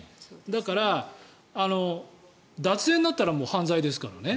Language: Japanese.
だから、脱税になったら犯罪ですからね。